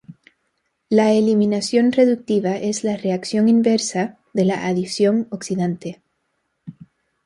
La eliminación reductiva es la reacción inversa de la adición oxidante.